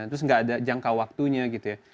terus nggak ada jangka waktunya gitu ya